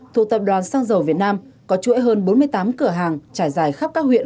thuộc tập đoàn sang dầu việt nam có chuỗi hơn bốn mươi tám cửa hàng trải dài khắp các huyện